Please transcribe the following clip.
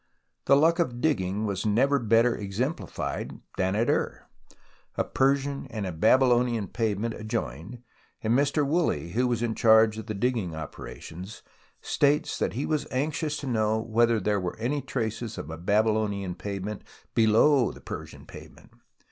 The luck of digging was never better exemplified than at Ur. A Persian and a Babylonian pavement adjoined, and Mr. Woolley, who was in charge of the digging operations, states that he was anxious to know whether there were any traces of a Babylonian pavement below the Persian pavement.